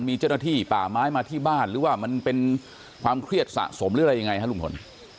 มีเจ้าหน้าที่ป่าไม้มาที่บ้านหรือว่ามันเป็นความเครียดสะสมหรืออะไรยังไงฮะลุงพล